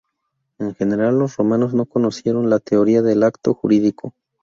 En general, los romanos no conocieron la Teoría del Acto Jurídico.